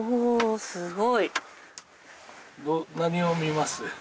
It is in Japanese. すごい。何を見ます？